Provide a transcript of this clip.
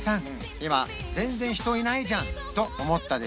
今全然人いないじゃんと思ったでしょ？